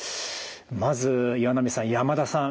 まず岩波さん山田さん